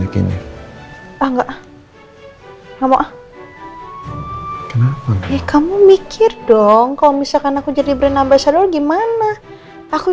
kenapa kamu mau gitu